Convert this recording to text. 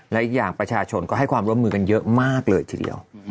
และอีกอย่างประชาชนก็ให้ความร่วมมือกันเยอะมากเลยทีเดียว